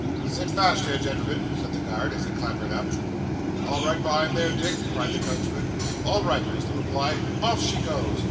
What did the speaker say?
'Sit fast here, genelmen,' said the guard as he clambered up. 'All right behind there, Dick?' cried the coachman. 'All right,' was the reply. 'Off she goes!